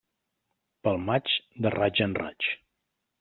Pel maig, de raig a raig.